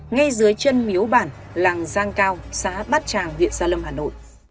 ngay dưới chân miếu bản làng giang cao xã bát tràng huyện gia lâm hà nội